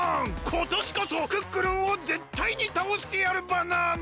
ことしこそクックルンをぜったいにたおしてやるバナナ！